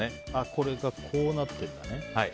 これがこうなってるんだね。